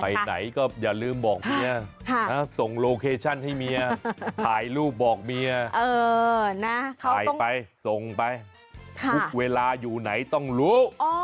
ไหนก็อย่าลืมบอกเมียส่งโลเคชั่นให้เมียถ่ายรูปบอกเมียถ่ายไปส่งไปทุกเวลาอยู่ไหนต้องรู้